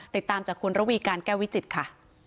ติดตามจากคุณระวีการแก้ววิจิตรค่ะ